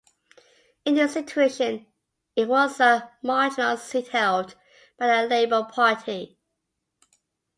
In this situation it was a marginal seat held by the Labor party.